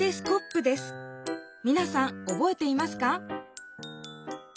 みなさんおぼえていますか？